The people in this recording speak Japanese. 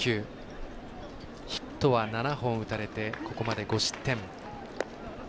ヒットは７本打たれてここまで５失点。